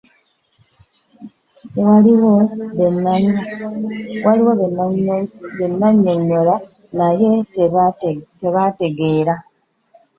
Waliwo be nannyonnyola naye tebantegeera.